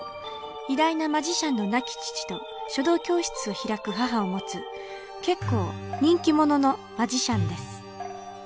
偉大なマジシャンの亡き父と書道教室を開く母を持つ結構人気者のマジシャンです